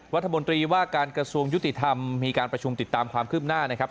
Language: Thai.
รัฐมนตรีว่าการกระทรวงยุติธรรมมีการประชุมติดตามความคืบหน้านะครับ